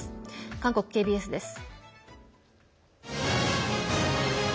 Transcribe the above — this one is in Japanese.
韓国ＫＢＳです。